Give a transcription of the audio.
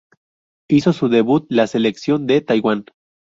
Hizo su debut la selección de Taiwán.